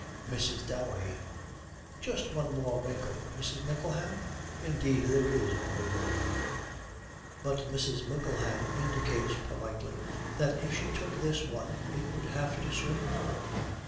MRS. DOWEY. 'Just one more winkle, Mrs. Mickleham?' Indeed there is only one more. But Mrs. Mickleham indicates politely that if she took this one it would have to swim for it.